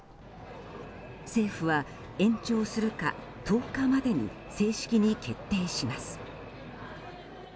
政府は、延長するか１０日までに正式に決定します。